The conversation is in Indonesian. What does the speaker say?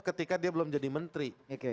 ketika dia belum jadi menteri